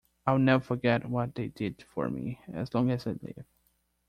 I'll never forget what they did for me, as long as I live.